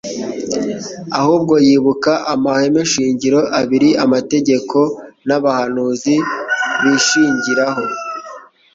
ahubwo yibuka amahame shingiro abiri amategeko n'abahanuzi bashingiraho.